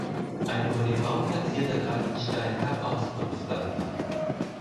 Ein vor dem Baum platzierter Granitstein gab Auskunft darüber.